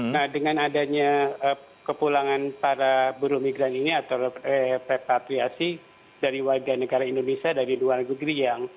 nah dengan adanya kepulangan para buruh migran ini atau repatriasi dari warga negara indonesia dari luar negeri yang